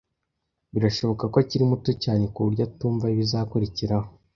Birashoboka ko ukiri muto cyane kuburyo utumva ibizakurikiraho.